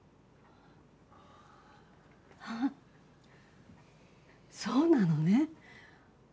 ああそうなのね。